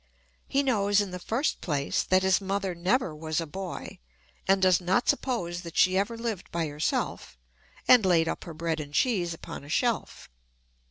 He knows, in the first place, that his mother never was a boy, and does not suppose that she ever lived by herself, and laid up her bread and cheese upon a shelf.